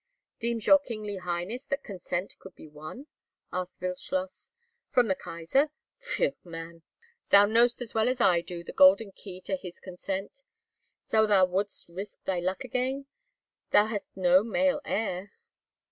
"Deems your kingly highness that consent could be won?" asked Wildschloss "From the Kaisar? Pfui, man, thou knowst as well as I do the golden key to his consent. So thou wouldst risk thy luck again! Thou hast no male heir."